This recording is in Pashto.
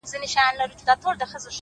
صبر د بېړې زیانونه کموي!